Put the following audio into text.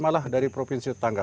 malah dari provinsi tetangga